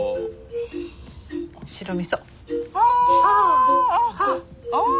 ああ。